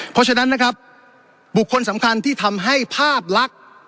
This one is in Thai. เพราะฉะนั้นนะครับบุคคลสำคัญที่ทำให้ภาพลักษณ์